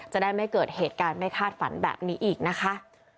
จะได้ไม่เกิดเหตุการณ์ไม่คาดฝันแบบนี้อีกนะคะ